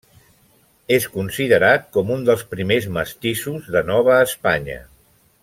És considerat com un dels primers mestissos de Nova Espanya.